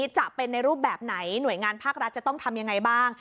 จะเป็นในรูปแบบไหนหน่วยงานภาครัฐจะต้องทำยังไงบ้าง